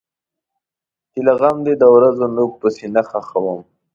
چې له غم دی د ورځو نوک په سینه خښوم.